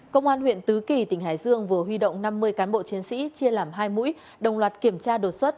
công an huyện tứ kỳ tỉnh hải dương vừa huy động năm mươi cán bộ chiến sĩ chia làm hai mũi đồng loạt kiểm tra đột xuất